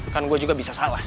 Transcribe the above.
kan gue juga bisa salah